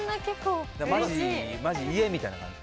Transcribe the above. マジ家みたいな感じ。